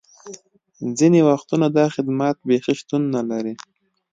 ځینې وختونه دا خدمات بیخي شتون نه لري